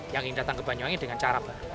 yang ingin datang ke banyuwangi dengan cara baru